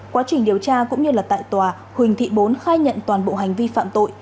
quá trình điều tra cũng như là tại tòa huỳnh thị bốn khai nhận toàn bộ hành vi phạm tội